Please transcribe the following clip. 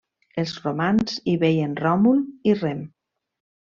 Els romans hi veien Ròmul i Rem.